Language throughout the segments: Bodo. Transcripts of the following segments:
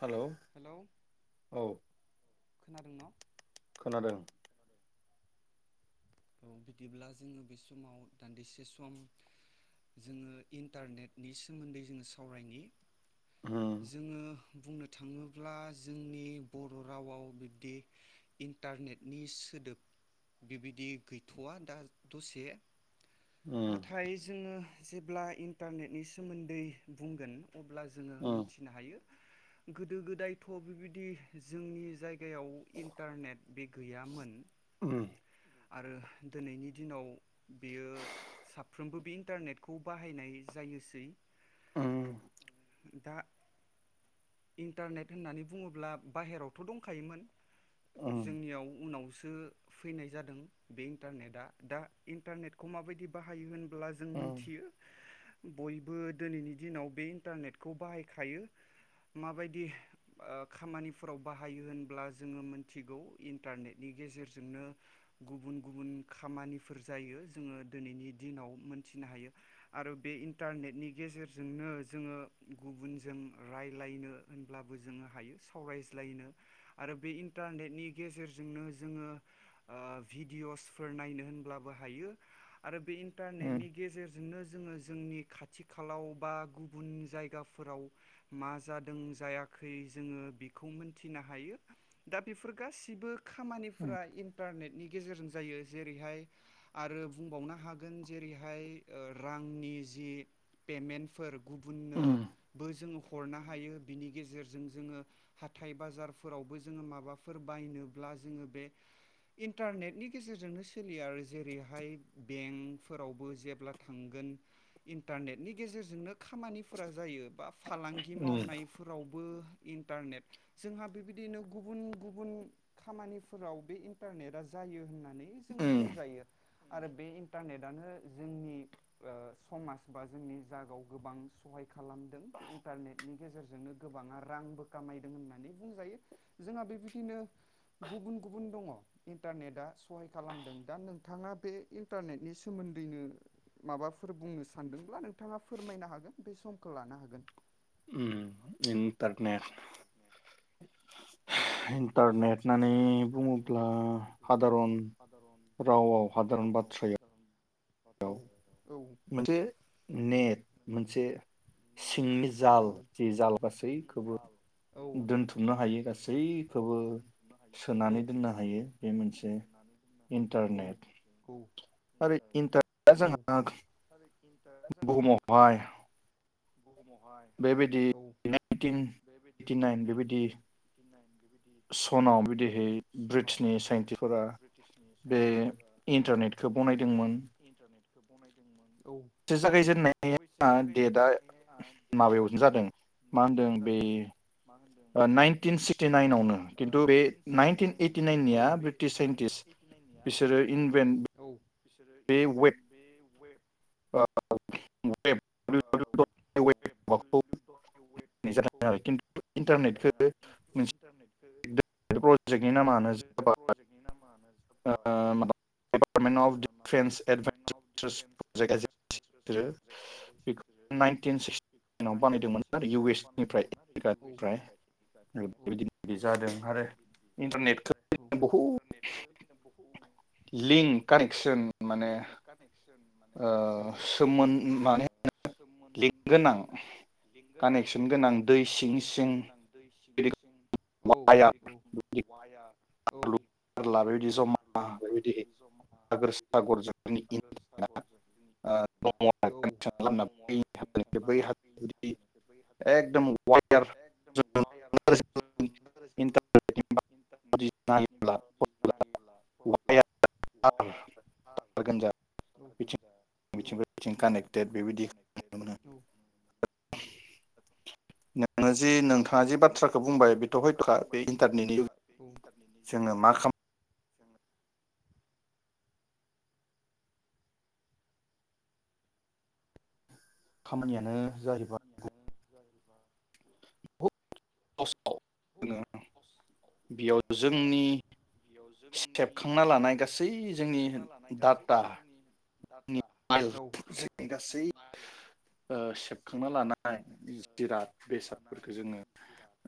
हेल' औ खोनादों। औ बिदिब्ला जोङो बे समाव दान्दिसे सम जोङो इन्टारनेटनि सोमोन्दै जोङो सावरायनि। जोङो बुंनो थाङोब्ला जोंनि बर' रावआव बिब्दि इन्टारनेटनि सोदोब बिबिदि गैथवा दा दसे। नाथाय जोङो जेब्ला इन्टारनेटनि सोमोन्दै बुंगोन अब्ला जोङो मोनथिनो हायो। गोदो गोदायथ बिबायदि जोंनि जाय। गायाव इन्टारनेट बे गैयामोन। आरो दिनैनि दिनाव बेयो साफ्रोमबो बे। इन्टारनेटखौ बाहायनाय जायोसै दा इन्टारनेट होननानै बुङोब्ला बाहेरावथ दोंखायोमोन जोंनियाव उनावसो। फैनाय जादों बे इन्टारनेटआ दा इन्टारनेटखौ माबायदि बाहायो होन ब्ला जों मोनथियो बयबो दोनैनि दिनाव बे इन्टारनेटखौ बाहायखायो। माबायदि ओ खामानिफोराव बाहायो होनब्ला जोङो मोनथिगौ इन्टारनेटनि गेजेरजोंनो गुबुन गुबुन खामानिफोर जायो जोङो दोनैनि दिनाव मोनथिनो हायो आरो बे इन्टारनेटनि गेजेरजोंनो जोङो गुबुनजों राइ लायनो होनब्लाबो जोङो हायो सावरायज्लानो आरो बे इन्टरनेटनि गेजेरजोंनो जोङो ओ भिदिवसफोर नायनो होनब्लाबो हायो आरो बे इन इन्टारनेनि गेजेर जोंनो जोङो जोंनि खाथि खालाव बा गुबुन जायगाफोराव। मा जादों जायाखै जोङो बेखौ मोनथिनो हायो दा बेफोर गासिबो खामानिफोरा इन्टारनेटनि गेजेरजों जायो जेरैहाय आरो बुंबावनो हागोन जेरैहाय ओ रांनि जि पेमेन्टफोर। गुबुननोबो जों हरनो हायो बिनि गेजेरजों जोङो हाथाइ बाजारफोरावबो जोङो माबाफोर बायनोब्ला जोङो बे इन्टारनेटनि गेजेरजोंनो सोलियो आरो जेरैहाय बेंकफोरावबो जेब्ला थांगोन इन्टारनेटनि गेजेरजोंनो खामानिफोरा जायो बा फालांगि मावनायफोरावबो बो इन्टारनेट जोंहा बेबायदिनो गुबुन गुबुन खामानिफोराव बे इन्टारनेटआ जायो होननानै जोङो बुंजायो। आरो बे इन्टारनेटानो जोंनि ओ समाज बा जोंनि जागायाव गोबां सहाय खालामदों। इन्टारनेटनि गेजेरजोंनो गोबाङा रांबो खामायदों होननानै बुंजायो जोंहा बेबायदिनो गुबुन गुबुन दङ इन्टारनेटआ सहाय खालामदों दा नोंथाङा बे इन्टारनेटनि सोमोन्दैनो माबाफोर बुंनो सानदोंब्ला नों थाङा फोरमायनो हागोन बे सम खौ लानो हागोन। उम इन्टारनेट इन्टारनेट। नानै बुङोब्ला हादारन रावाव हादारन बाथ्रायाव। औ। मोनसे नेट मोनसे सिंनि जाल जि जाल गासैखौबो दोनथुमनो हायो गासैखौबो। सोनानै दोननो हायो बे मोनसे इन्टारनेट [inaudible] आरो इन्टरनेटहा जोंहा बुहुमावहाय। [inaudible] बिदिहै ब्रिटिसनि साइन्टिस्फोरा बे इन्टारनेटखौ बनायदोंमोन। बनायदोंमोन ससे जागायजेननाया डेटआ माबायावनो जादों मा होनदों बे। नाइनटिन सिक्सटि नाइनवनो खिन्थु बे सिक्सटि नाइन आवनो औ बे नाइनटिन ओइटि नाइननिया ब्रिटिस साइन्टिस्ट औ। बिसोरो इनभेेन बे वेब औ बेब डाब्लिउ डाब्लिउ दत वेब वाखौ हो जादों आरो खिन्थु इन्टारनेट [unintelligible] मोनसे प्रजेक्टनि नामानो ओ माबा department of defence एडवेन्स interest project. ए नाइनटिन सिक्सटिनाव बानायदोंमोन ना औ इउ एस निफ्राय दा औ औ आरो बेबायदि जादों आरो इन्टारनेट खो लिंक कानेक्सन माने ओ सोमोन माने सोमोन माने नो लिंक गोनां औ कानेक्सन गोनां दै सिं सिं औ औ औ। ओ दङ [unintelligible] बै हाजो एकदम वयार [unintelligible] [unintelligible] नों ङो जि नोंथाङा जि बाथ्राखौ बुंबाय बेथ' हयथ'खा बे इन्टारनेटनि जोङो मा खालाम जोङो। खामानियानो जाहैबाय गु [inaudible] [inaudible] बेयाव जोंनि सेबखांना लानाय गासै जोंनि डाटा ज नि [unintelligible] जोंनि गासै ओ सेबखांना लानाय जिराद बेसादफोरखौ जोङो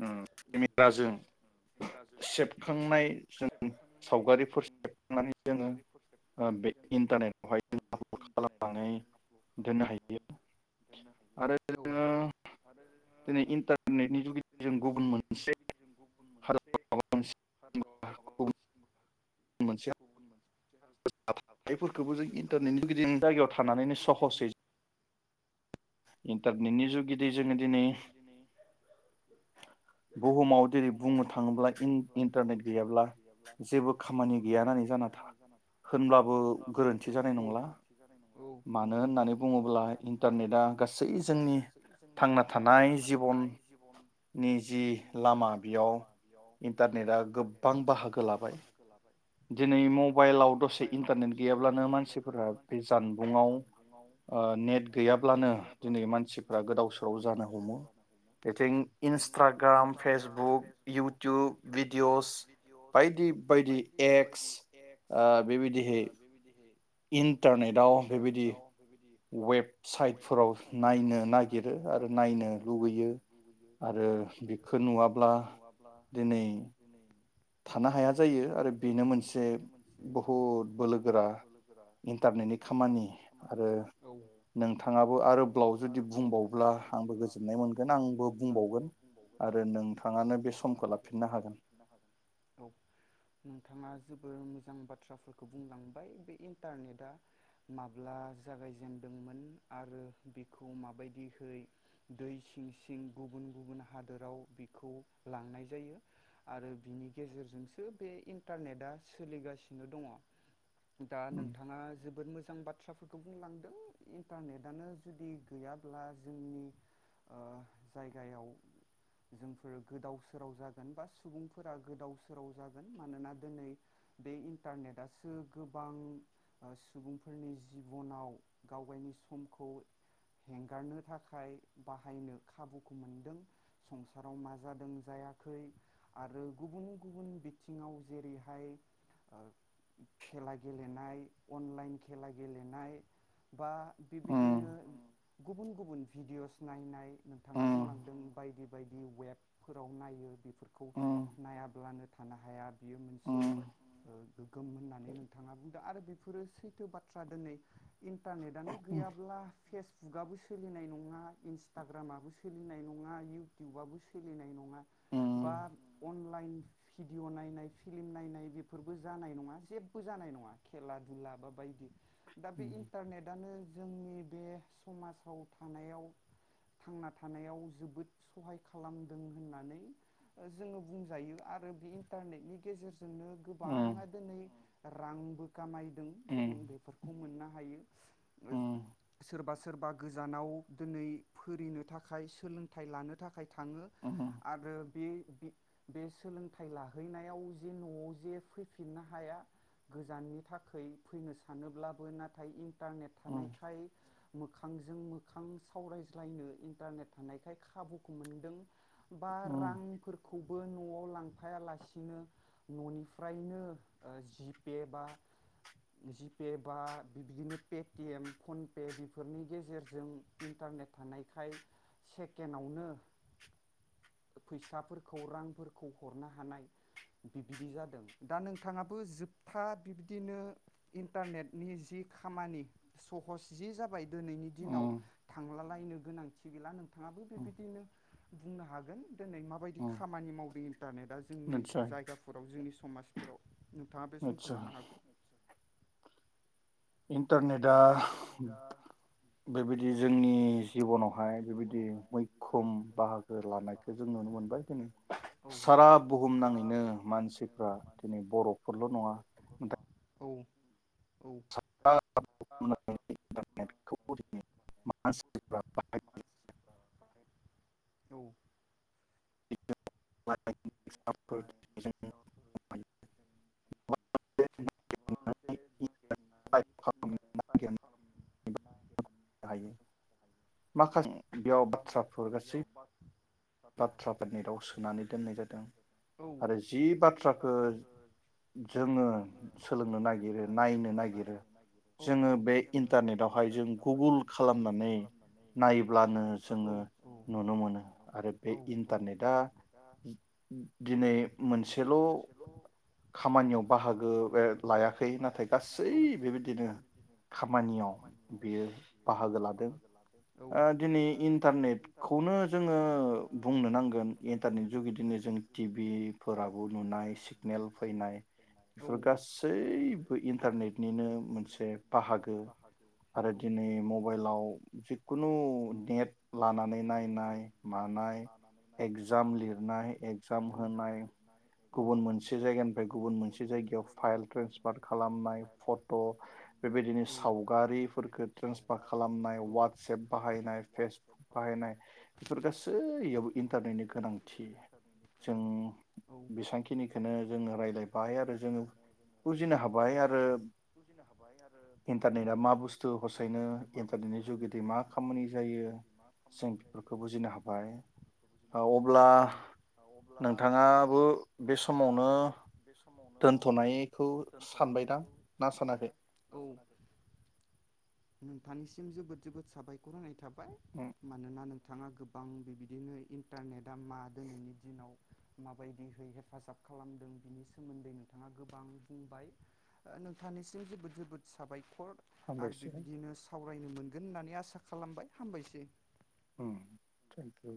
ओ केमेराजों सेबखांनाय जों सावगारिफोर सेबखांनानै जोङो ओ बे इन्टारनेटावहाय [unintelligible] खालामनानै दोननो हायो आरो जोंङो आरो जोङो दिनै इन्टारनेटनि जुगै जों गुबुन मोनसे हादोराव गुबुन मानसि [unintelligible] फोरखौबो जों इन्टारनेटनि गेजेर जायगायाव थानानैनो सहसै इन्टारनेटनि जुगगिदि जों‌ङो दिनै बुहुमाव जेरै बुंनो थाङोब्ला इन्टारनेट गैयाब्ला जेबो खामानि गैया होननानै जाना था होनब्लाबो गोरोन्थि जानाय नंला। मानो होननानै बुङोब्ला इन्टारनेटआ गासै। दा गासै जोंनि थांना थानाय जिबननि जि लामा बेयाव इन्टारनेटआ गोबां बाहागो लाबाय। दिनै मबाइलाव दसे इन्टारनेट गैयाब्लानो मानसिफोरा बे जानबुंआव ओ नेट गैयाब्लानो दिनै मान फोर गोदाव सोराव जानो हमो बेथिं इन्सटाग्राम फेसबुक इउटुब भिडिअस बायदि बायदि। [inaudible] बेबायदिहै। इन्टारनेटआव बेबायदि। वेबसाइटफोराव। नायनो नागिरो आरो नायनो लुुबैयो आरो बेखौ नुवाब्ला दिनै थानो हाया जायो आरो बेनो मोनसे बहुद बोलो गोरा इन्टारनेटनि खामानि आरो नोंथाङाबो आरो नोंथाङाबो आरोब्लाव जुदि बुंबावब्ला आंबो गोजोननाय मोनगोन आंबो बुंबावगोन आरो नोंथाङानो बे समखौ लाफिननो हागोन। औ नोंथाङा जोबोर मोजां बाथ्राफोरखौ बुंलांबाय बे इन्टारनेटआ माब्ला जागायजेनदोंमोन आरो बेखौ माबायदिहै दै सिं सिं गुबुन गुबुन हादोराव बिखौ लांनाय जायो आरो बिनि गेजेरजोंसो बे इन्टारनेटआ सोलिगासिनो दङ। दा नोंथाङा जोबोद मोजां बाथ्राफोरखौ बुंलांदों इन्टारनेटानो। जुदि गैयाब्ला जोंनि जायगायाव जोंफोरो गोदाव सोराव जागोन बा सुबुंफोरा गोदाव सोराव जागोन मानोना दिनै बे इन्टारनेटसो गोबां सुबुंफोरनि जिबनाव गावगावनि समखौ। हेंगारनो थाखाय बाहायनो खाबुखौ मोनदों संसाराव मा जादों जायाखै आरो गुबुन गुबुन बिथिङाव जेरैहाय खेला गेलेनाय अनलाइन खेला गेलेनाय बा बि बिदिनो गुबुन गुबुन भिडिअस नायनाय नोंथाङा बुंलांदों बायदि बायदि वेबफोराव नायो बे फोरखौ नायाब्लानो। थानो हाया। बियो मोनसे। गोम होननानै नोंथाङा बुंदों आरो बे। बेफोरो सैथो बाथ्रा दोनै। इन्टारनेटानो गैयाब्ला फेसबुकआबो सोलिनाय नङा इन्सटाग्रामाबो सोलिनाय नङा इउटुबाबबो सोलिनाय नङा बा अनलाइन भिडिअ नायनाय फिलिम नायनाय बेफोरबो जानाय नङा जेबो जानाय नङा खेला दुला बा बायदि। दा बे इन्टारनेटानो जोंनि। बे समाजाव थानायाव थांना थानायाव जोबोद सहाय खालामदों होननानै जोङो बुंजायो आरो बे इन्टारनेटनि गेजेरजों। जोंनो गोबाङा दिनै। रांबो कामाय। जों बेफोरखौ मोन्ना हायो ओज सोरबा सोरबा गोजानाव दोनै फोरिनो थाखाय सोलोंथाइ लानो थाखाय थाङो आरो। बे बे बे सोलोंथाइ लाहैनायाव जे न'आव जे फैफिननो हाया गोजाननि थाखाय फैनो सानोब्लाबो नाथाय इ इन्टारनेट थानायखाय मोखांजों मोखां सावरायज्लायनो इन्टारनेट थानायखाय खाबुखौ मोनदों। बा रांफोरखौबो न'आव लां थांफायालासिनो न'निफ्रायनो ओ जि पे बा जि पे बा बिदिनो पेटिएम फन बे बेफोरनि गेजेरजों इन्टारनेट थानायखाय सेकेणडआवनो फैसाफोरखौ रांफोरखौ हरनो हानाय बिबदि जादों दा नोंथाङाबो जोबथा बिब्दिनो इन्टारनेटनि जि खामानि सहस जि जाबाय दोनैनि दिनाव थांलालाय नो गोनांथि गैला नों [unintelligible] बो बेबादिनो बुंनो हागोन दिनै माबायदि खामानि मावदों इन्टारनेटआ जोंनि जायगाफोराव जोंनि समाजफोराव नोंथाङा बे समखौ लानो हागोन इन्टारनेट दा बेबायदि जोंनि जिबनावहाय बेबायदि मैखोम बाहागो लानायखौ जों नुनो मोनबाय दिनै सारा बुहुम नाङैनो मानसिफ्रा दिनै बर'फोरल नङा औ औ [unintelligible] औ [unintelligible] [unintelligible] [unintelligible] [unintelligible] हायो माखासे बेयाव बाथ्राफोर गासै बाथ्राफोरनि राव सोनानै दोननाय जादों आरो जि बाथ्राखो जोङो सोलोंनो नागिरो नायनो नागिरो जोङो बे इन्टारनेटावहाय जों गुगोल खालामनानै नायब्लानो जोङो नुनो मोनो आरो बे इन्टारनेटआ दिनै मोनसेल खामानियाव बाहागो बे लायाखै नाथाय गासै बेबायदिनो खामानियाव बियो बाहागो लादों ओ दिनै इन्टार्नेटखौनो जोङो बुंनो नांगोन इन्टारनेट जुग इदिनो जों टिभिफोराबो नुनाय सिगनेल फैनाय बेफोर गासै यैबो इन्टारनेटनिनो मोनसे बाहागो आरो दिनै मबाइलाव जिखुनु नेट लानानै नायनाय मानाय एक्जाम लिरनाय एक्जाम होनाय गुबुन मोनसे जायगानिफ्राय गुबुन मोनसे जायगायाव फाइल ट्रेन्सफार खालामनाय फट' बेबायदिनो सावगारिफोरखौ ट्रेन्सफार खालामनाय वाटसेप बाहायनाय फेसबुक बाहायनाय बेफोर गासैयाव इन्टारनेटनि गोनांथि जों बेसेबांखिनिखौनो जोङो रायलायबाय आरो जोङो बुजिनो हाबाय आरो इन्टारनेटआ मा बुस्थु हसायैनो इन्टारनेटनि जुगेदि मा खामानि जायो जों बेफोरखौ बुजिनो हाबाय। औ अब्ला नोंथाङाबो बे समावनो दोनथनाय दोनथ'नायखौ सानबायदां औ। नोंथांनिसिम जोबोद जोबोद साबायखर होनाय थाब बाय मानोना नों नोंथाङा गोबां बेबायदिनो इन्टारनेटआ मा दोनैनि दिनाव माबायदिहै हेफाजाब खालामदों बिनि सोमोन्दै नोंथाङा गोबां बुंबाय ओ नोंथांनिसिम जोबोद जोबोद साबायखर आरो बिबदिनो सा सावरायनो मोनगोन होननानै आसा खालामबाय हामबायसै। उम थेंकिउ